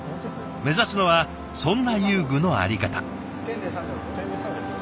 目指すのはそんな遊具のあり方。